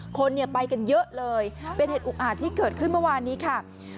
คนเนี่ยไปกันเยอะเลยเป็นเหตุอุกอาจที่เกิดขึ้นเมื่อวานนี้ค่ะ